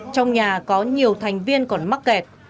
trong nhà có nhiều thành viên còn mắc kẹt